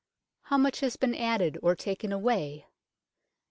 How much has been added or taken away